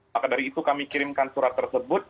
maka dari itu kami kirimkan surat tersebut